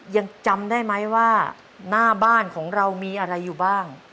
ยังจำได้ไหมว่าหน้าบ้านของเรามีอะไรอยู่บ้าง